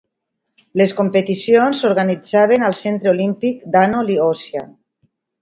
Les competicions s'organitzaven al Centre Olímpic d'Ano Liosia.